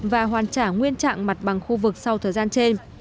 và hoàn trả nguyên trạng mặt bằng khu vực sau thời gian trên